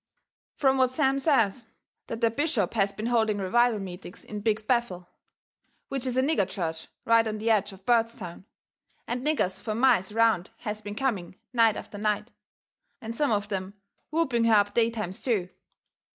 From what Sam says that there bishop has been holding revival meetings in Big Bethel, which is a nigger church right on the edge of Bairdstown, and niggers fur miles around has been coming night after night, and some of them whooping her up daytimes too.